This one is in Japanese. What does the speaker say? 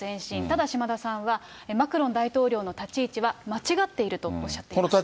ただ島田さんは、マクロン大統領の立ち位置は間違っているとおっしゃっています。